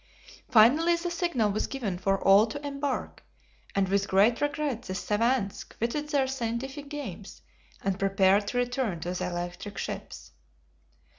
Finally the signal was given for all to embark, and with great regret the savants quitted their scientific games and prepared to return to the electric ships.